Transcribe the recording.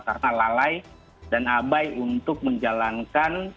karena lalai dan abai untuk menjalankan